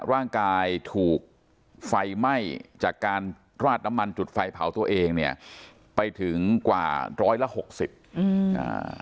ร่างกายถูกไฟไหม้จากการราดน้ำมันจุดไฟเผาตัวเองเนี่ยไปถึงกว่าร้อยละหกสิบอืมอ่า